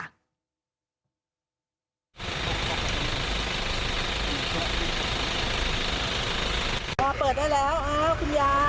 พอเปิดได้แล้วอ้าวคุณยาย